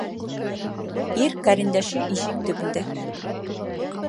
Ир ҡәрендәше ишек төбөндә.